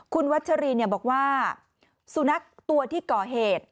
คุณวัชรีบอกว่าสุนัขตัวที่ก่อเหตุ